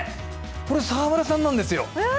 これ、沢村さんなんですよ。